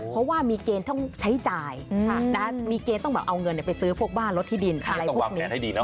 เพราะว่ามีเกณฑ์ต้องใช้จ่ายและมีเกณฑ์ต้องเอาเงินไปซื้อพวกบ้านรถที่ดินอะไรพวกนี้